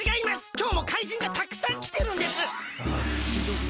きょうも怪人がたくさんきてるんです！